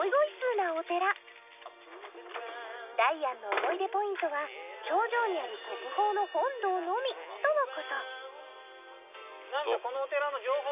なお寺ダイアンの思い出ポイントは頂上にある国宝の本堂のみとのこと何かこの。